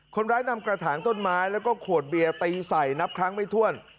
คนร้ายนำกระถางต้นไม้แล้วก็ขวดเบียร์ตีใส่นับครั้งไม่ถ้วน